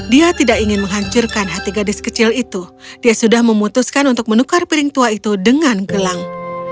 dia tidak ingin menghancurkan hati gadis kecil itu dia sudah memutuskan untuk menukar piring tua itu dengan gelang